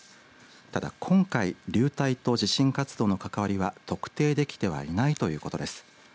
ただ、今回流体と地震活動との関わりは特定できてはいないということです。